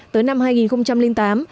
tới năm hai nghìn tám